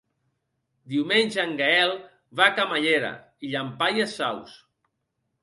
Diumenge en Gaël va a Camallera i Llampaies Saus.